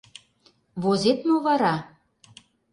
Возет мо вара?